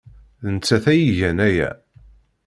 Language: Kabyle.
D nettat ay igan aya.